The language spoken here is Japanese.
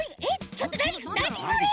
ちょっとなになにそれ？